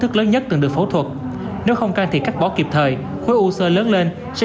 thức lớn nhất từng được phẫu thuật nếu không can thiệp cắt bỏ kịp thời khối u sơ lớn lên sẽ